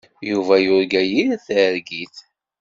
Yuba yurga yir targit.